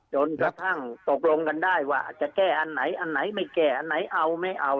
จนกระทั่งตกลงกันได้ว่าจะแก้อันไหนอันไหนไม่แก้อันไหนเอาไม่เอา